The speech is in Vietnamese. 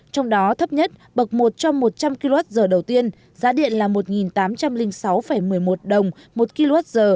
trong đó thấp nhất bậc một trong một trăm linh kwh đầu tiên giá điện là một tám trăm linh sáu một mươi một đồng một kwh